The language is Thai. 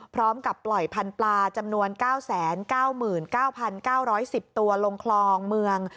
พร้อมกับปล่อยพันธุ์ปลาจำนวน๙๙๙๙๙๑๐ตัวลงคลองเมือง